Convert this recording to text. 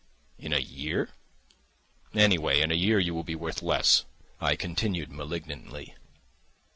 "In a year?" "Anyway, in a year you will be worth less," I continued malignantly.